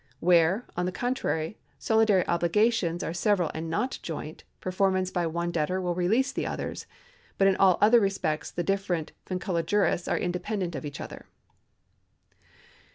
Where, on the contrary, solidary obhgations are several and not joint, performance by one debtor will release the others, but in all other respects the different vincula juris are independent of each other.